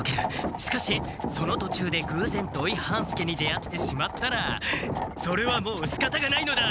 しかしそのとちゅうでぐうぜん土井半助に出会ってしまったらそれはもうしかたがないのだ！